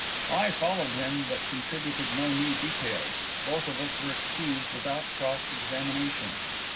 I followed him, but contributed no new details. Both of us were excused without cross examination.